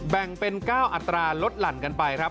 แบ่งเป็น๙อัตราลดหลั่นกันไปครับ